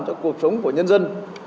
cho cuộc sống của nhân dân